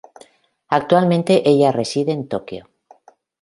Actualmente ella reside en Tokio.